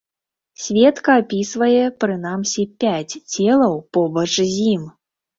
Сведка апісвае прынамсі пяць целаў побач з ім.